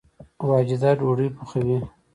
واجده ډوډۍ پخوي